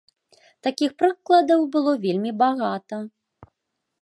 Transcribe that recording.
Такіх прыкладаў было вельмі багата.